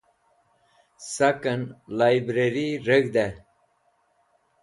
Saken Librari Reg̃hde